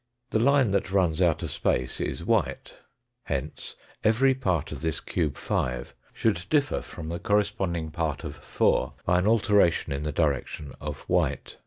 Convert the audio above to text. The line that runs out of space is white, hence, every part of this cube 5 should differ from the corresponding part of 4 by an alteration in the direction of white.